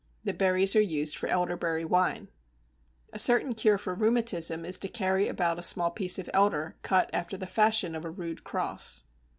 The berries are used for "elderberry wine." A certain cure for rheumatism is to carry about a small piece of elder cut after the fashion of a rude cross.